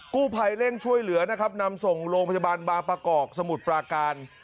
กู้ภัยเร่งช่วยเหลือนะครับนำส่งโรงพยาบาลบางประกอบสมุทรปราการ